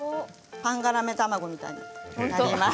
パンがらめ卵みたいな感じになります。